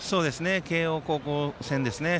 慶応高校戦ですね。